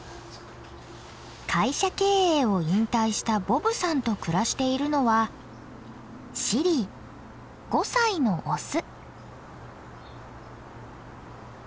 会社経営を引退したボブさんと暮らしているのはシリー５歳のオス。